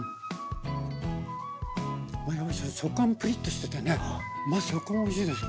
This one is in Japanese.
食感もプリッとしててね食感がおいしいですよね。